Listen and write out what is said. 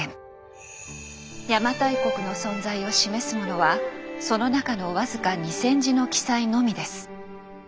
邪馬台国の存在を示すものはその中の僅か２，０００字の記載のみです。